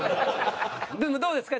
でもどうですか？